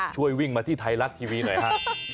ช่วยวิ่งมาที่ไทยรัฐทีวีหน่อยฮะ